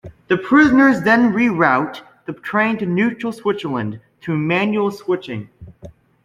The prisoners then reroute the train to neutral Switzerland through manual switching.